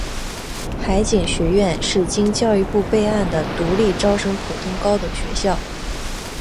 海警学院是经教育部备案的独立招生普通高等学校。